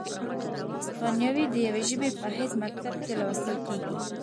هسپانیوي د یوې ژبې په حیث مکتب کې لوستل کیږي،